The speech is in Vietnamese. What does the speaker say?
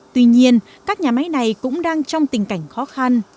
tuy nhiên các nhà máy này cũng đang trong tình cảnh khó khăn